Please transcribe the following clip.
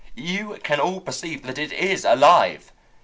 You can all perceive that it is alive.